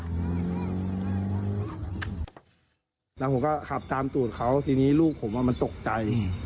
แล้วผมก็ขับตามตูดเขาทีนี้ลูกผมมันตกใจ